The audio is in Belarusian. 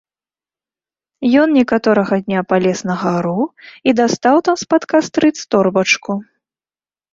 Ён некаторага дня палез на гару і дастаў там з-пад кастрыц торбачку.